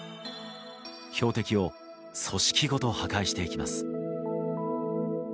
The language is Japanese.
標的を組織ごと破壊していきます。